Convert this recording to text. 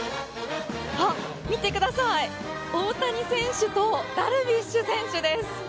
見てください、大谷選手とダルビッシュ選手です。